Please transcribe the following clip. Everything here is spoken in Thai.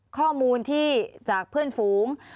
ข้อมูลที่จากเพื่อนฝูง